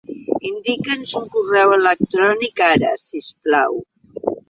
Indica'ns un correu electrònic ara, si us plau.